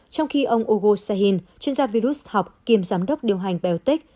trong khi ông hugo sahin chuyên gia virus học kiêm giám đốc điều hành biotek